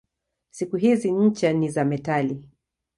Siku hizi ncha ni za metali.